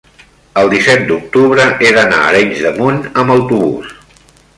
el disset d'octubre he d'anar a Arenys de Munt amb autobús.